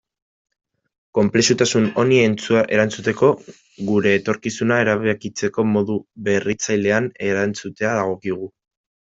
Konplexutasun honi erantzuteko, gure etorkizuna erabakitzeko modu berritzailean erantzutea dagokigu.